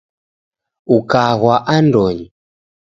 Ukaghwa andonyi